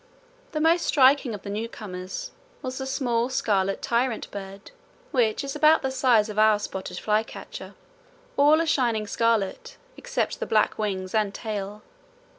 The most striking of the newcomers was the small scarlet tyrant bird, which is about the size of our spotted flycatcher; all a shining scarlet except the black wings and tail.